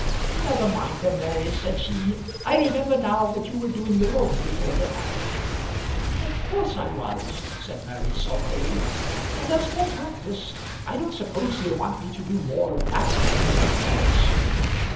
"Never mind them, Mary," said she. "I remember now that you were doing your own before dinner." "Of course I was," said Mary sulkily. "And as for practice, I don't suppose he'll want me to do more of that than anything else."